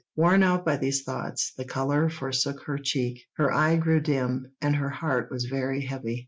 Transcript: Worn out by these thoughts, the colour forsook her cheek, her eye grew dim, and her heart was very heavy.